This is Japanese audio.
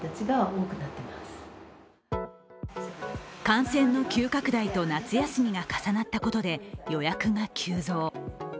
感染の急拡大と夏休みが重なったことで、予約が急増。